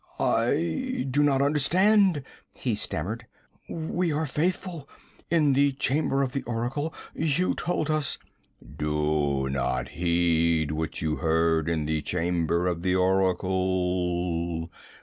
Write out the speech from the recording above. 'I do not understand!' he stammered. 'We are faithful. In the chamber of the oracle you told us ' 'Do not heed what you heard in the chamber of the oracle!'